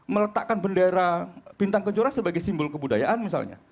meletakkan bendera bintang kencur sebagai simbol kebudayaan misalnya